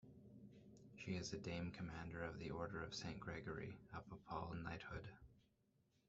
She is a Dame Commander of the Order of Saint Gregory, a papal knighthood.